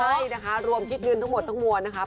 ใช่นะคะรวมคิดเงินทั้งหมดทั้งมวลนะคะ